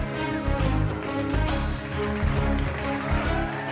ว้าว